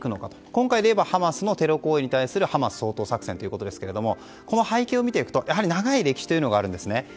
今回でいえばハマスのテロ行為に対するハマス掃討作戦ということですがこの背景を見ていきますとやはり長い歴史というのがあるんですね。